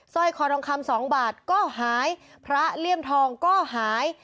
ร้อยคอทองคำสองบาทก็หายพระเลี่ยมทองก็หาย